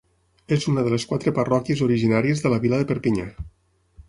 És una de les quatre parròquies originàries de la vila de Perpinyà.